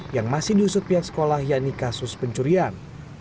yang masih diusut pihak sekolah yakni kasus pencurian